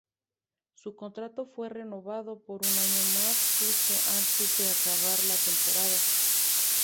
Su contrato fue renovado por un año más justo antes de acabar la temporada.